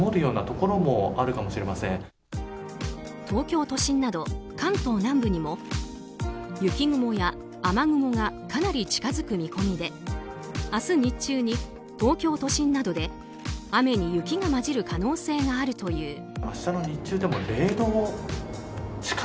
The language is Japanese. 東京都心など関東南部にも雪雲や雨雲がかなり近づく見込みで明日日中に、東京都心などで雨に雪が交じる可能性があるという。